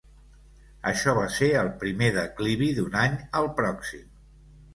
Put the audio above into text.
Això va ser el primer declivi d'un any al pròxim.